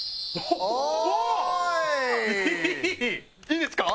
いいですか？